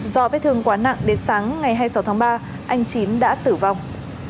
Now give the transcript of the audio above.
do vết thương quá nặng đến sáng ngày hai mươi sáu tháng ba anh chín đã tử vong